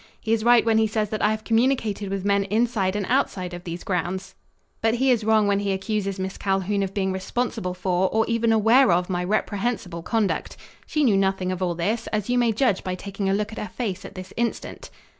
He is right when he says that I have communicated with men inside and outside of these grounds. But he is wrong when he accuses Miss Calhoun of being responsible for or even aware of my reprehensible conduct. She knew nothing of all this, as you may judge by taking a look at her face at this instant."